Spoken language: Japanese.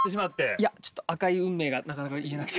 いやちょっと「赤い運命」がなかなか言えなくて。